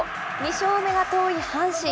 ２勝目が遠い阪神。